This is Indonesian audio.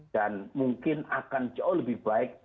dan mungkin akan jauh lebih baik